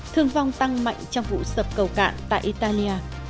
thương vong tăng mạnh trong vụ sập cầu cạn tại italia